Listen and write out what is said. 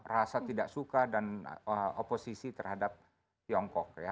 rasa tidak suka dan oposisi terhadap tiongkok